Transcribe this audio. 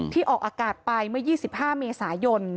ออกอากาศไปเมื่อ๒๕เมษายน